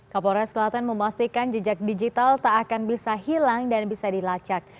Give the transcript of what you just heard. kapolres kelaten memastikan jejak digital tak akan bisa hilang dan bisa dilacak